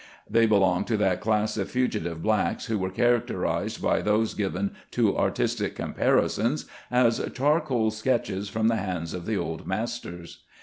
They belonged to that class of fugitive blacks who were characterized by those given to artistic comparisons as " charcoal sketches from the hands of the old masters."